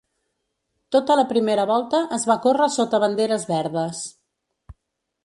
Tota la primera volta es va córrer sota banderes verdes.